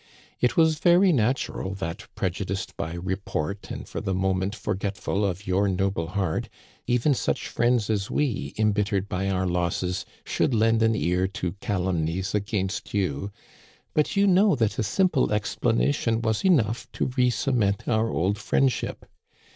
It was very natural that, prejudiced by report and for the moment forgetful of your noble heart, even such friends as we, imbittered by our losses, should lend an ear to calumnies against you ; but you know that a simple explanation was enough to re cement our old friendship.